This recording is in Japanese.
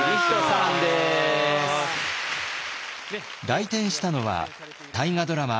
来店したのは大河ドラマ